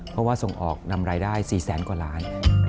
เพราะว่าส่งออกนำรายได้๔แสนกว่าล้าน